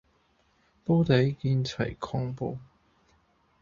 煲底見齊抗暴